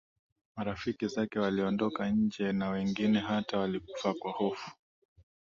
Marafiki zake waliondoka nje na wengine hata walikufa kwa hofu